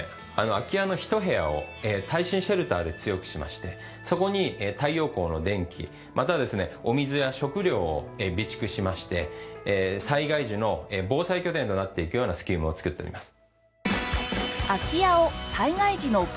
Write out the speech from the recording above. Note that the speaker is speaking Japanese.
空き家の一部屋を耐震シェルターで強くしましてそこに太陽光の電気またはですねお水や食料を備蓄しまして災害時の防災拠点となっていくようなスキームを作っております。